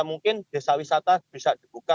mungkin desa wisata bisa dibuka